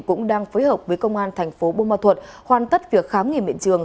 cũng đang phối hợp với công an thành phố bô ma thuật hoàn tất việc khám nghiệm hiện trường